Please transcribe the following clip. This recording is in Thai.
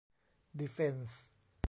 ดีเฟนส์